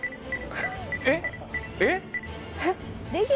えっ？えっ？